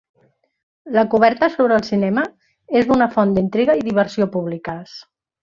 La coberta sobre el cinema és una font d'intriga i diversió públiques.